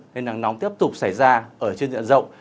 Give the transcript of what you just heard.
nên nắng nóng tiếp tục xảy ra ở trên diện rộng